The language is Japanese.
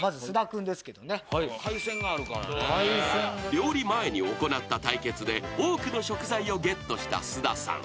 ［料理前に行った対決で多くの食材をゲットした菅田さん］